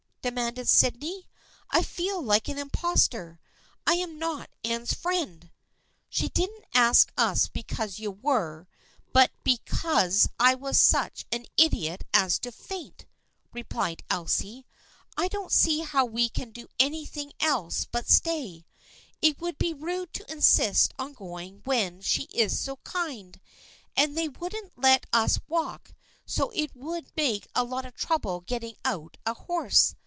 de manded Sydney. " I feel like an impostor. I am not Anne's friend." " She didn't ask us because you were, but be THE FKIENDSHIP OF ANNE 133 cause I was such an idiot as to faint," replied Elsie. " I don't see how we can do anything else but stay. It would be rude to insist on going when she is so kind, and they wouldn't let us walk, so it would make a lot of trouble getting out a horse.